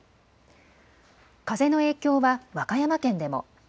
風の影響は和歌山県でも。